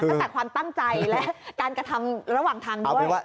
ตั้งแต่ความตั้งใจและการกระทำระหว่างทางด้วย